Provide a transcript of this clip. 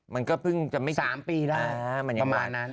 มันก็เพิ่งจะไม่๓ปีได้มันประมาณนั้น